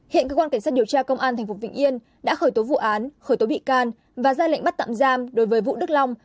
hiện cơ quan cảnh sát điều tra công an tp vĩnh yên đã khởi tố vụ án khởi tố bị can và ra lệnh bắt tạm giam đối với vũ đức long